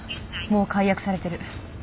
もう解約されてる。